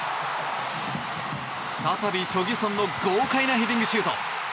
再びチョ・ギュソンの豪快なヘディングシュート！